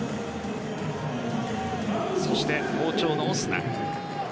そして好調のオスナ。